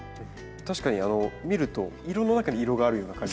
確かに見ると色の中に色があるような感じですね。